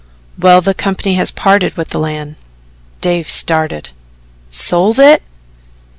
"Well, the company has parted with the land." Dave started. "Sold it?"